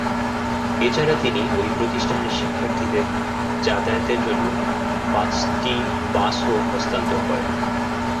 এ ছাড়া তিনি ওই প্রতিষ্ঠানের শিক্ষার্থীদের যাতায়াতের জন্য পাঁচটি বাসও হস্তান্তর করেন।